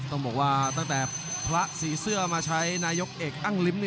ต้องบอกว่าตั้งแต่พระสีเสื้อมาใช้นายกเอกอ้างลิ้ม